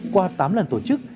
qua tám lần tổ chức